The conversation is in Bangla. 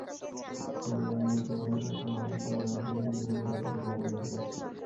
সেমিনারে মূল প্রবন্ধ পাঠ করেন ঢাকা বিশ্ববিদ্যালয়ের অর্থনীতি বিভাগের অধ্যাপক আবুল বারকাত।